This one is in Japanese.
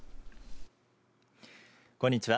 こんにちは。